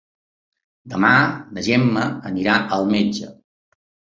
Demà na Gemma anirà al metge.